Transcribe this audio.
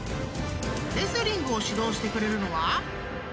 ［レスリングを指導してくれるのは］